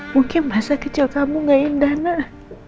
mungkin masa kecil kamu enggak indah